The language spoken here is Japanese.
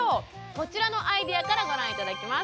こちらのアイデアからご覧頂きます。